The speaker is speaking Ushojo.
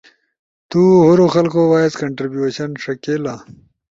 تو ہورو خلقو وائس کنٹربیوشن ݜکیلا،